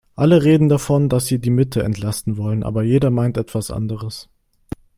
Alle reden davon, dass sie die Mitte entlasten wollen, aber jeder meint etwas anderes.